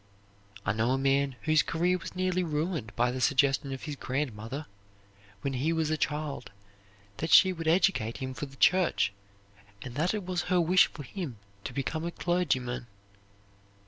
I know a man whose career was nearly ruined by the suggestion of his grandmother when he was a child that she would educate him for the church, and that it was her wish for him to become a clergyman.